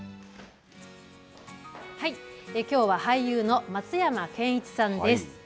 きょうは俳優の松山ケンイチさんです。